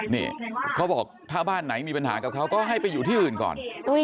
นี่เขาบอกถ้าบ้านไหนมีปัญหากับเขาก็ให้ไปอยู่ที่อื่นก่อน